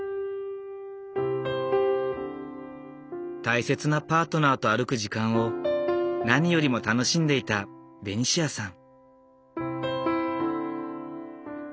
大切なパートナーと歩く時間を何よりも楽しんでいたベニシアさん。